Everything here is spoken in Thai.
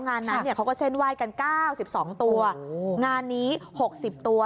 งานนั้นเนี่ยเขาก็เส้นไหว้กันเก้าสิบสองตัวงานนี้หกสิบตัว